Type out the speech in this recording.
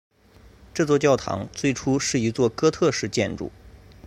这座教堂最初是一座哥特式建筑。